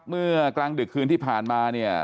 เมื่อกลางดึกคืนที่ผ่านมาเนี่ย